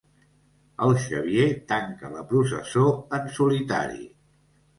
El Xavier tanca la processó en solitari.